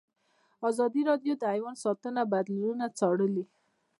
ازادي راډیو د حیوان ساتنه بدلونونه څارلي.